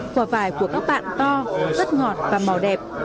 quả vải của các bạn to rất ngọt và màu đẹp